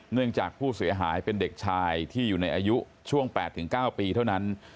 เนื่องจากผู้เสียหายเป็นเด็กชายที่อยู่ในอายุช่วง๘๙ปีเท่านั้น